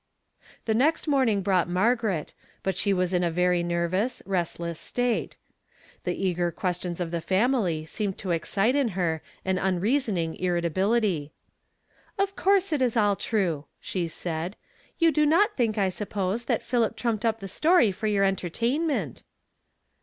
The next morning brought Margaivt, but she was in a very nervous, restless stat(^ ; the eager questions of the family seemed to excite in her an unreasoning irritability. "Of course it is all true I" she said; "you do not think, I sujjpose, that Philip trunq)ed up the story for your entertainment